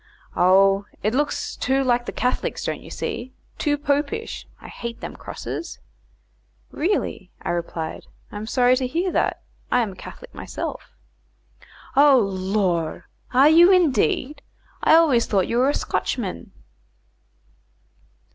"Oh, it looks too like the Catholics, don't you see? too popish. I hate them crosses." "Really," I replied. "I am sorry to hear that. I am a Catholic myself." "Oh, lor! Are you, indeed? I always thought you were a Scotchman."